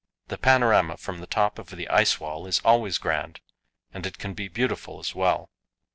The panorama from the top of the ice wall is always grand, and it can be beautiful as well.